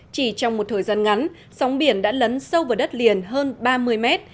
chỉ trong một thời gian ngắn sóng biển đã lấn sâu vào đất liền hơn ba mươi mét